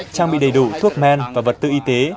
trang bị đầy đủ thuốc men và vật tư y tế